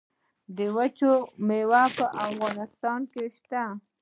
د چیکو میوه په افغانستان کې شته؟